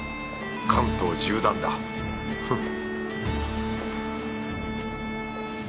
関東縦断だフッ